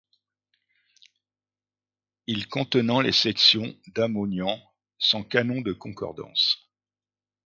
Il contenant les Sections d'Ammonian, sans canons de concordances.